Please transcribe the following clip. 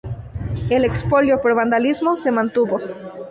El expolio por vandalismo se mantuvo.